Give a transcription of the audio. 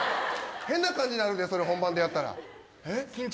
変な感じなるでそれ本番でやったらえっ？